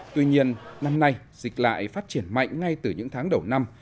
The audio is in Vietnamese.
tuy nhiên năm nay dịch lại phát triển mạnh ngay từ những tháng đầu năm